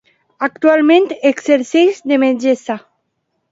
Actualment exerceix de metgessa.